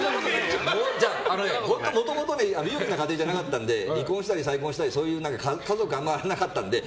もともと裕福な家庭じゃなかったので離婚したり再婚したり家族観が合わなかったので。